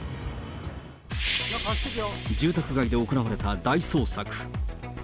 住宅街で行われた大捜索。